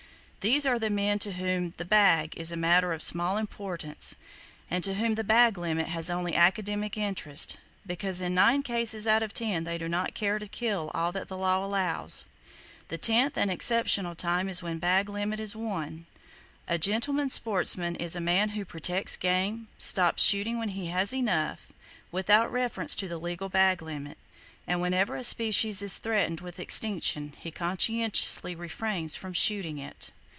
These are the men to whom "the bag" is a matter of small importance, and to whom "the bag limit" has only academic interest; because in nine cases out of ten they do not care to kill all that the law allows. The tenth and exceptional time is when the bag limit is "one." A gentleman sportsman is a man who protects game, stops shooting when he has "enough"—without reference to the legal bag limit, and whenever a species is threatened with extinction, he conscientiously refrains from shooting it.